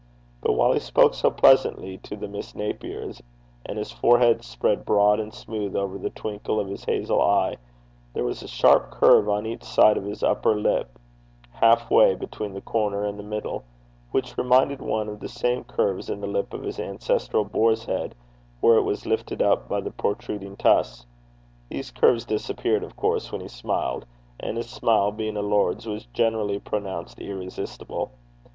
But while he spoke so pleasantly to the Miss Napiers, and his forehead spread broad and smooth over the twinkle of his hazel eye, there was a sharp curve on each side of his upper lip, half way between the corner and the middle, which reminded one of the same curves in the lip of his ancestral boar's head, where it was lifted up by the protruding tusks. These curves disappeared, of course, when he smiled, and his smile, being a lord's, was generally pronounced irresistible.